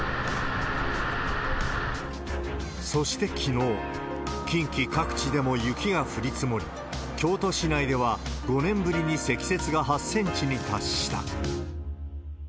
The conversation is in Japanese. そしてきのう、近畿各地でも雪が降り積もり、京都市内では５年ぶりに積雪が８センチに達した。